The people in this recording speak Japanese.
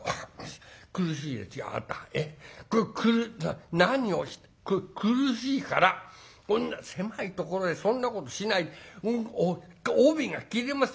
「苦しいですよあなた。え？くっくる何をしてくっ苦しいからこんな狭いところでそんなことしないで。帯が切れます」。